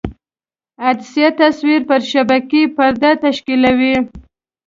عدسیه تصویر پر شبکیې پردې تشکیولوي.